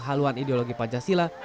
haluan ideologi pancasila